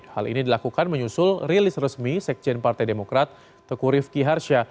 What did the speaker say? hal ini dilakukan menyusul rilis resmi sekjen partai demokrat tekurif ki harsya